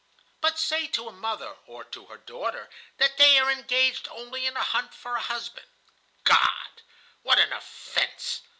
"But say to a mother or to her daughter that they are engaged only in a hunt for a husband. God! What an offence!